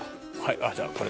じゃあこれ。